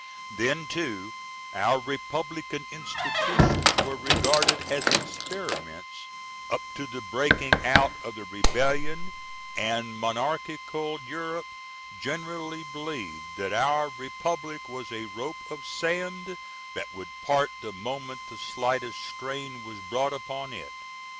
Then, too, our republican institutions were regarded as experiments up to the breaking out of the rebellion, and monarchical Europe generally believed that our republic was a rope of sand that would part the moment the slightest strain was brought upon it.